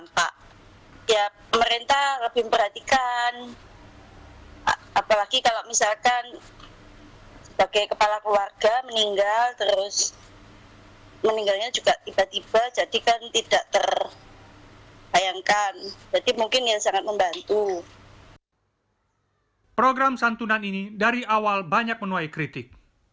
program santunan ini dari awal banyak menuai kritik